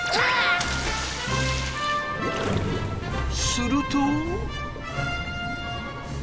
すると。